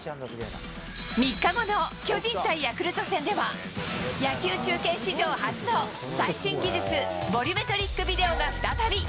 ３日後の巨人対ヤクルト戦では、野球中継史上初の最新技術、ボリュメトリックビデオが再び。